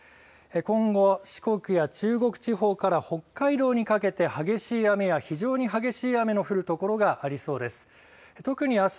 今後、四国や中国地方から北海道にかけて激しい雨や非常に激しい雨の降る所がありそうです。